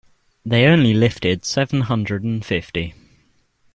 They only lifted seven hundred and fifty.